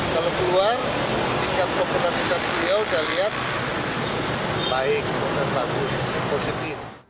kalau keluar tingkat popularitas beliau saya lihat baik dan bagus positif